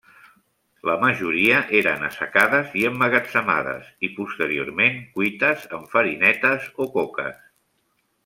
La majoria eren assecades i emmagatzemades, i posteriorment cuites en farinetes o coques.